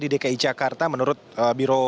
di dki jakarta menurut biro